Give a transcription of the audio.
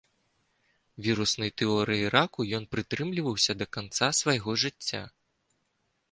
Віруснай тэорыі раку ён прытрымліваўся да канца свайго жыцця.